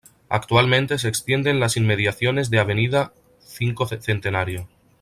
Actualmente se extiende en las inmediaciones de Avenida V Centenario.